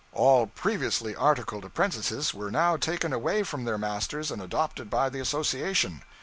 All previously articled apprentices were now taken away from their masters and adopted by the association.